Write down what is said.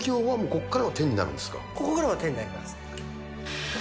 ここからは手になります。